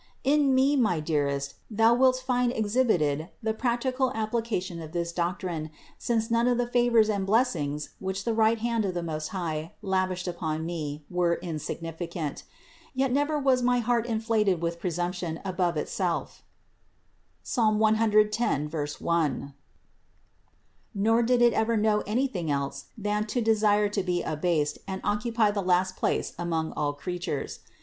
241. In me, my dearest, thou wilt find exhibited the practical application of this doctrine ; since none of the favors and blessings, which the right hand of the Most High lavished upon me, were insignificant. Yet never was my heart inflated with presumption above itself (Ps. 110, 1), nor did it ever know anything else than to desire to be abased and occupy the last place among all creatures.